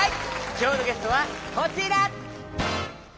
きょうのゲストはこちら！